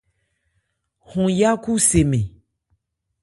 Hɔn áyákhu se mɛn.